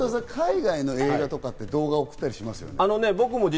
海外の映画とかって動画送ったりしますよね。